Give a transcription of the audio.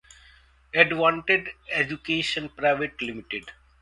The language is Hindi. Advantech education private limited